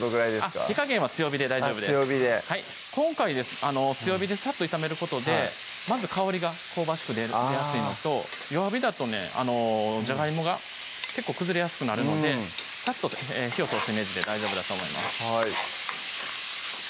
火加減は強火で大丈夫です今回強火でさっと炒めることでまず香りが香ばしく出やすいのと弱火だとねジャガイモが結構崩れやすくなるのでさっと火を通すイメージで大丈夫だと思います